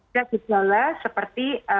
tidak terjala seperti